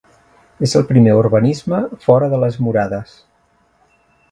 És el primer urbanisme fora de les murades.